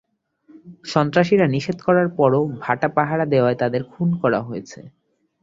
সন্ত্রাসীরা নিষেধ করার পরও ভাটা পাহারা দেওয়ায় তাঁদের খুন করা হয়েছে।